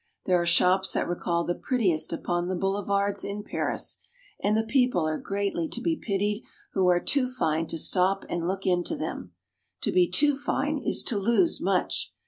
There are shops that recall the prettiest upon the boulevards in Paris; and the people are greatly to be pitied who are too fine to stop and look into them. To be too fine is to lose much.